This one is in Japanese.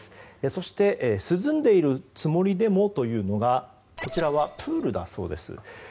そして、涼んでいるつもりでもというのが、プールだそうです。